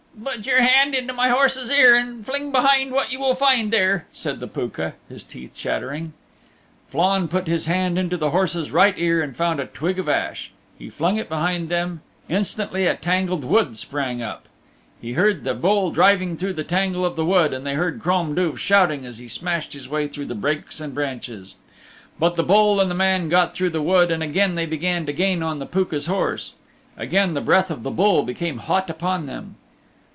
"Put your hand into my horse's ear and fling behind what you will find there," said the Pooka, his teeth chattering. Flann put his hand into the horse's right ear and found a twig of ash. He flung it behind them. Instantly a tangled wood sprang up. They heard the Bull driving through the tangle of the wood and they heard Crom Duv shouting as he smashed his way through the brakes and branches. But the Bull and the man got through the wood and again they began to gain on the Pooka's horse. Again the breath of the Bull became hot upon them.